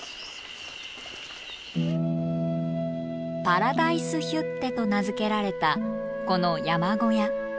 パラダイスヒュッテと名付けられたこの山小屋。